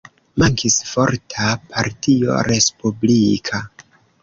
Mankis forta partio respublika.